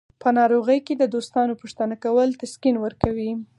په ناروغۍ کې د دوستانو پوښتنه کول تسکین ورکوي.